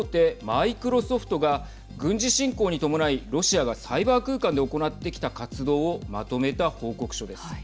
マイクロソフトが軍事侵攻に伴いロシアがサイバー空間で行ってきた活動をまとめた報告書です。